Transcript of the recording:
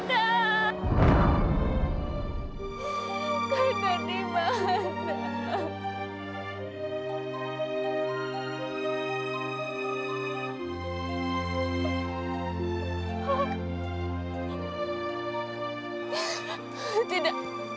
tolong kanda di mana